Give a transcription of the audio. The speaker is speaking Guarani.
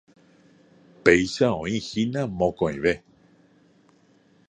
Péicha oĩhína mokõive.